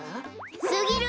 すぎる！